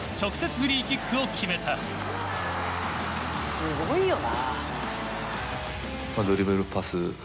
すごいよな。